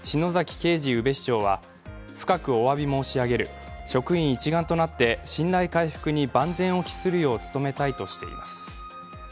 圭二宇部市長は深くおわび申し上げる、職員一丸となって信頼回復に万全を期するよう努めたいとしています。